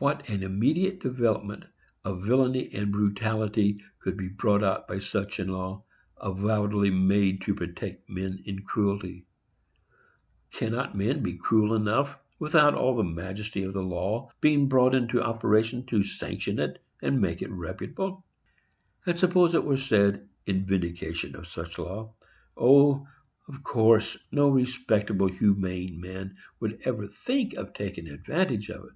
What an immediate development of villany and brutality would be brought out by such a law, avowedly made to protect men in cruelty! Cannot men be cruel enough, without all the majesty of law being brought into operation to sanction it, and make it reputable? And suppose it were said, in vindication of such a law, "O, of course, no respectable, humane man would ever think of taking advantage of it."